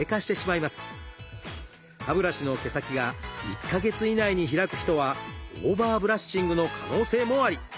歯ブラシの毛先が１か月以内に開く人はオーバーブラッシングの可能性もあり。